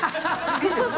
いいんですか？